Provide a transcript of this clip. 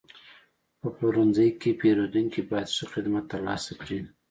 په پلورنځي کې پیرودونکي باید ښه خدمت ترلاسه کړي.